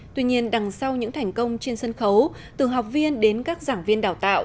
tuy nhiên đằng sau những thành công trên sân khấu từ học viên đến các giảng viên đào tạo